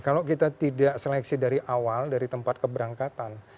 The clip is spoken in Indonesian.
kalau kita tidak seleksi dari awal dari tempat keberangkatan